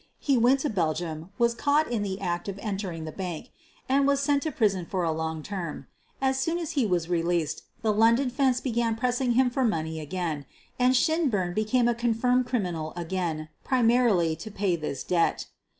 He went to Belgium, was caught in the act of entering the bank, and was sent to prison for a long term. As soon as he was released the London "fence" began pressing him for money, and Shin burn became a confirmed criminal again, primarily to pay this debt.